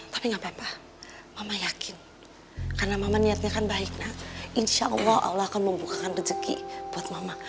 tapi gapapa mama yakin karena mama niatnya kan baik na insya allah allah akan membukakan rezeki buat mama